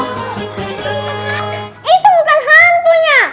itu bukan hantunya